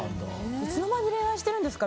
いつの間に恋愛してるんですか？